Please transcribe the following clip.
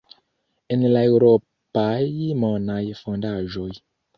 en la eŭropaj monaj fondaĵoj.